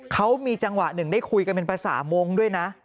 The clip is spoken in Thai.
เขามีจังหวะหนึ่งได้คุยกันเป็นภาษามงค์ด้วยนะ